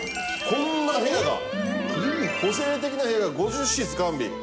こんな部屋が個性的な部屋が５０室完備。